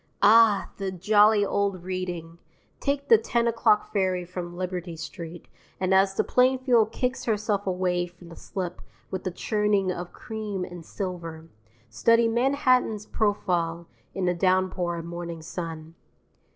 Ah, the jolly old Reading! Take the 10 o'clock ferry from Liberty Street, and as the Plainfield kicks herself away from the slip with a churning of cream and silver, study Manhattan's profile in the downpour of morning sun.